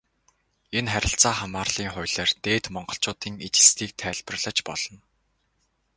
Энэ харилцаа хамаарлын хуулиар Дээд Монголчуудын ижилслийг тайлбарлаж болно.